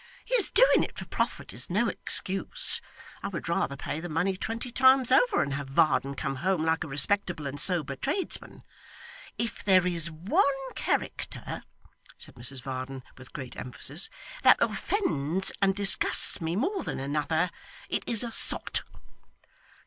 His doing it for profit is no excuse. I would rather pay the money twenty times over, and have Varden come home like a respectable and sober tradesman. If there is one character,' said Mrs Varden with great emphasis, 'that offends and disgusts me more than another, it is a sot.